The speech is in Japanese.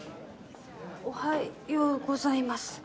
おはようございます。